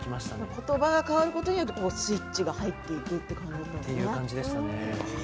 ことばが変わることによってスイッチが入っていくんですね。